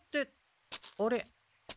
あれ？